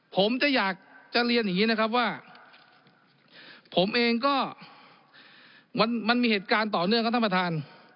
ผมจะอยากจะเรียนอย่างนี้นะครับว่าผมเองก็มันมีเหตุการณ์ต่อเนื่องครับท่านประธาน